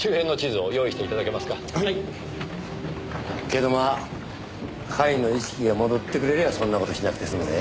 けどまあ甲斐の意識が戻ってくれりゃそんな事しなくて済むぜ。